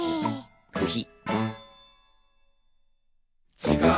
ブヒ。